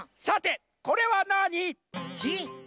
さてこれはなに？